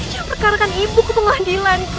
jangan perkarekan ibu ke pengadilan kak